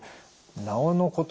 なおのこと